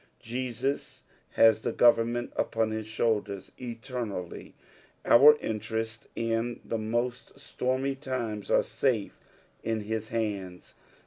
Jesus has the government upon his shoulders eternally : our int^ests in the most stormy times are safe in his hands.